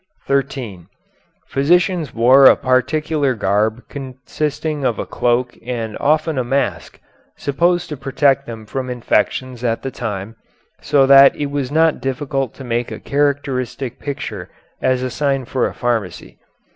] [Footnote 13: Physicians wore a particular garb consisting of a cloak and often a mask, supposed to protect them from infections at this time, so that it was not difficult to make a characteristic picture as a sign for a pharmacy.